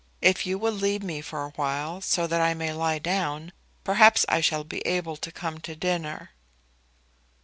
If you will leave me for awhile, so that I may lie down, perhaps I shall be able to come to dinner."